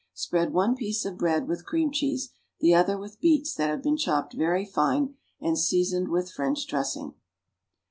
= Spread one piece of bread with cream cheese, the other with beets that have been chopped very fine and seasoned with French dressing.